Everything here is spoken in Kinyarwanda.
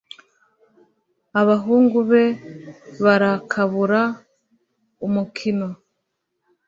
abahungu be barakabura umukiro